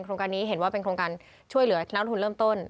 โครงการนี้เห็นว่าเป็นโครงการช่วยเหลือนักทุนเริ่มต้น